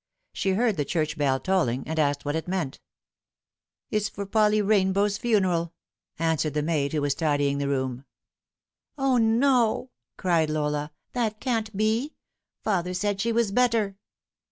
She heard the church bell tolling, and asked what it meant. " It's for Polly Kainbow's funeral," answered the maid who was tidying the room. " O, no," cried Lola, " that can't be I Father said sne was better."